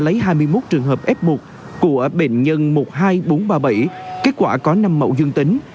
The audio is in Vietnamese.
lấy hai mươi một trường hợp f một của bệnh nhân một mươi hai nghìn bốn trăm ba mươi bảy kết quả có năm mẫu dương tính